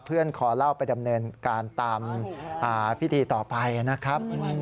คอเล่าไปดำเนินการตามพิธีต่อไปนะครับ